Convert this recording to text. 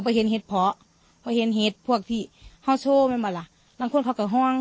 เข้าไปเห็นเหตุเพราะเห็นเหตุพวกที่มาล่ะลังคว้นเขากับห้อง